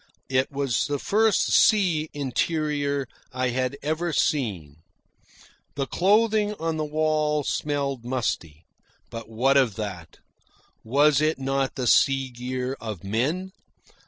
It was the first sea interior I had ever seen. The clothing on the wall smelled musty. But what of that? Was it not the sea gear of men?